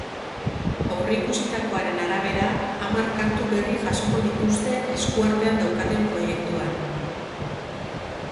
Aurreikusitakoaren arabera, hamar kantu berri jasoko dituzte esku artean daukaten proiektuan.